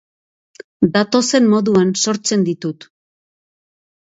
Datozen moduan sortzen ditut.